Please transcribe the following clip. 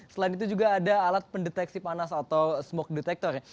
selain itu juga ada alat pendeteksi panas atau smoke detector